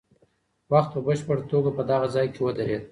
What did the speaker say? وخت په بشپړه توګه په دغه ځای کې ودرېد.